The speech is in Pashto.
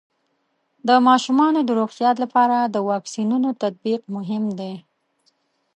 د ماشومانو د روغتیا لپاره د واکسینونو تطبیق مهم دی.